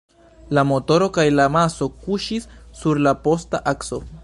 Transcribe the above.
La motoro kaj la maso kuŝis sur la posta akso.